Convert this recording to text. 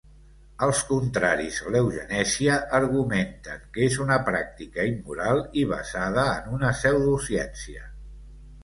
Els contraris a l'eugenèsia argumenten que és una pràctica immoral i basada en una pseudociència.